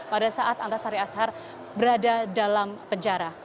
pada saat antasari ashar berada dalam penjara